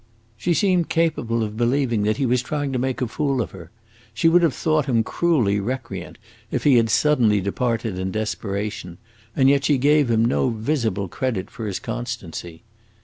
She seemed capable of believing that he was trying to make a fool of her; she would have thought him cruelly recreant if he had suddenly departed in desperation, and yet she gave him no visible credit for his constancy.